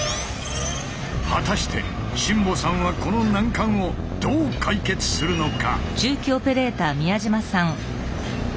果たして新保さんはこの難関をどう解決するのか。